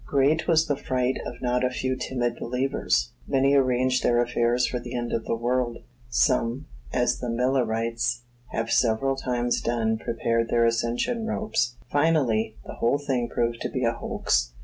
Great was the fright of not a few timid believers. Many arranged their affairs for the end of the world. Some, as the Millerites have several times done, prepared their ascension robes. Finally, the whole thing proved to be a hoax.